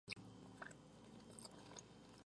Este embutido posee la marca Aragón Calidad Alimentaria.